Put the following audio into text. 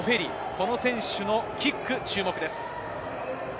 この選手のキックに注目です。